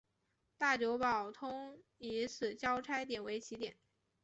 大久保通以此交差点为起点。